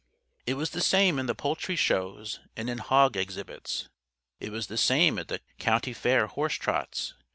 It was the same in the poultry shows and in hog exhibits. It was the same at the County Fair horse trots.